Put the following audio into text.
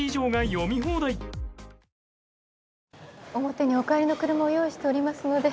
表にお帰りの車を用意しておりますので。